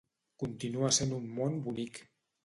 Continua sent un món bonic.